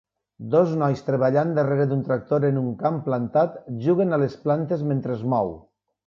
Dos nois treballant darrere d'un tractor en un camp plantat juguen a les plantes mentre es mou.